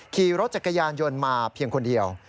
ขี่รถจักรยานยนต์มาเพียงคนเดียว